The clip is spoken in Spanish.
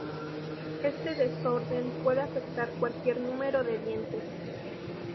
Este desorden puede afectar cualquier número de dientes.